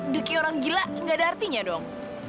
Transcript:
dekin orang gila enggak ada artinya dong